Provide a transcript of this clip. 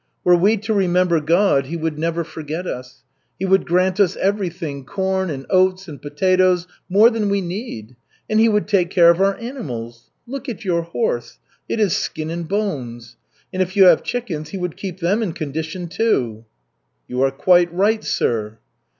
Were we to remember God, He would never forget us. He would grant us everything, corn and oats and potatoes more than we need. And He would take care of our animals. Look at your horse. It is skin and bones. And if you have chickens, He would keep them in condition, too." "You are quite right, sir."